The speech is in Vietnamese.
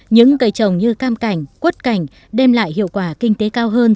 những cây trồng như cam cảnh quất cảnh đem lại hiệu quả kinh tế cao hơn